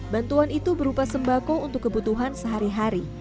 bantuan itu berupa sembako untuk kebutuhan sehari hari